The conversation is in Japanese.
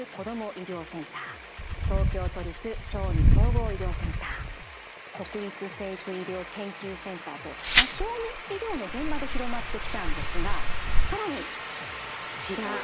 医療センター東京都立小児総合医療センター国立成育医療研究センターと小児医療の現場で広まってきたんですが更にこちら。